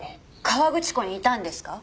河口湖にいたんですか？